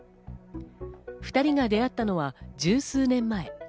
２人が出会ったのは十数年前。